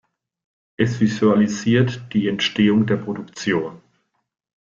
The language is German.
Es visualisiert die Entstehung der Produktion.